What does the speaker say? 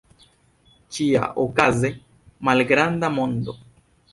Ĉiaokaze, malgranda mondo.